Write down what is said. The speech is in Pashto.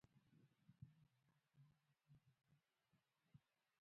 افغانستان د ځمکه په برخه کې نړیوال شهرت لري.